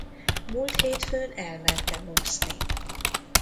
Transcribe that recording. Múlt hétfőn elmentem úszni.